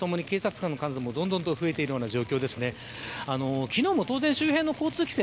時間とともに警察官の数もどんどん増えている状況です。